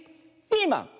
ピーマン。